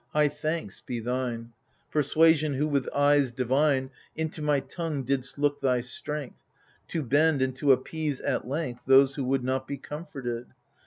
High thanks be thine. Persuasion, who with eyes divine Into my tongue didst look thy strength, To bend and to appease at length Those who would not be comforted.